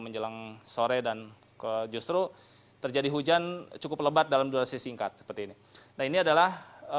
menjelang sore dan ke justru terjadi hujan cukup lebat dalam durasi singkat seperti ini nah ini adalah